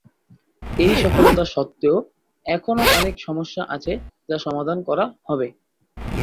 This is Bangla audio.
এই সফলতা সত্ত্বেও, এখনও অনেক সমস্যা আছে যা সমাধান করা হবে।